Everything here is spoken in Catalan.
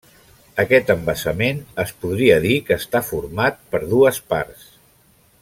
Aquest embassament es podria dir que està format per dues parts.